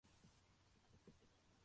Umuntu uryamye muri resitora